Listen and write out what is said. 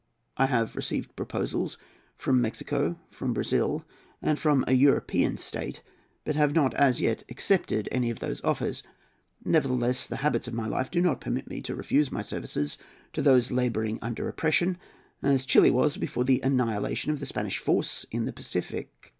I have received proposals from Mexico, from Brazil, and from a European state, but have not as yet accepted any of these offers. Nevertheless, the habits of my life do not permit me to refuse my services to those labouring under oppression, as Chili was before the annihilation of the Spanish naval force in the Pacific.